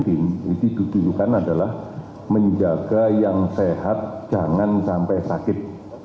ini ditujukan adalah menjaga yang sehat jangan sampai sakit